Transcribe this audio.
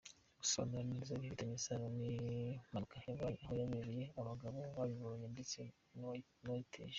Gusobanura neza ibifitanye isano n’impanuka yabaye, aho yabereye, abagabo babibonye ndetse n’uwayiteye.